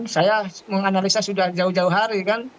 saya menganalisa sudah jauh jauh hari kan